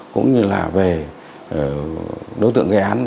cũng như là về đối tượng gây án